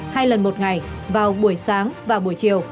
hai lần một ngày vào buổi sáng và buổi chiều